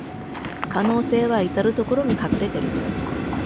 可能性はいたるところに隠れてる